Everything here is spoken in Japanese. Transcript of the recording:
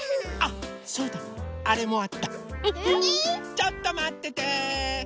ちょっとまってて。